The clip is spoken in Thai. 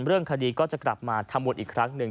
เรื่องคดีก็จะกลับมาทำบุญอีกครั้งหนึ่ง